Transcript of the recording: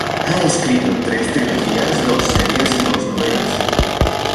Ha escrito tres trilogías, dos series y dos novelas.